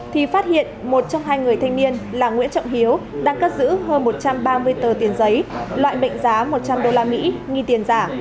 thì phát hiện một trong hai người thanh niên là nguyễn trọng hiếu đang cất giữ hơn một trăm ba mươi tờ tiền giấy loại mệnh giá một trăm linh usd nghi tiền giả